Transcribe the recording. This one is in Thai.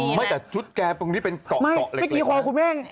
แต่ชุดแกตรงนี้เป็นเกาะเล็ก